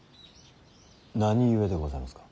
何故でございますか。